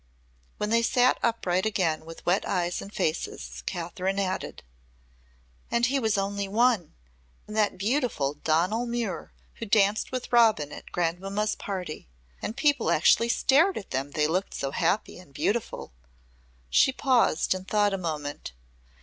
When they sat upright again with wet eyes and faces Kathryn added, "And he was only one! And that beautiful Donal Muir who danced with Robin at Grandmamma's party! And people actually stared at them, they looked so happy and beautiful." She paused and thought a moment.